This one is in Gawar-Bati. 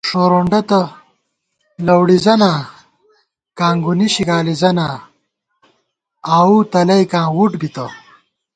ݭورونڈہ تہ لَوڑِزَناں کانگُونی شگالِی زَناں آؤو تلَئیکاں وُٹ بِتہ